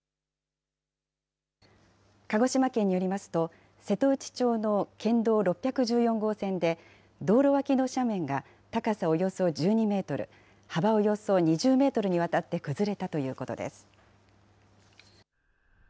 鹿児島県によりますと、瀬戸内町の県道６１４号線で、道路脇の斜面が高さおよそ１２メートル、幅およそ２０メートルにわたって崩れたということです。